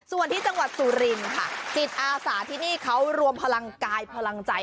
ส่วนที่จังหวัดสุรินค่ะจิตอาสาที่นี่เขารวมพลังกายพลังใจ